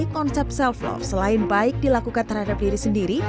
konsep self love selain baik dilakukan terhadap diri sendiri